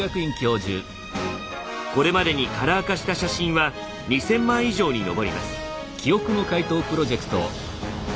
これまでにカラー化した写真は２，０００枚以上に上ります。